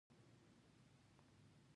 ورزش کول بدن ته طاقت ورکوي.